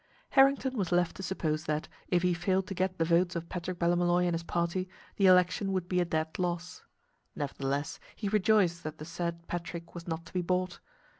Harrington was left to suppose that, if he failed to get the votes of Patrick Ballymolloy and his party, the election would be a dead loss. Nevertheless, he rejoiced that the said Patrick was not to be bought.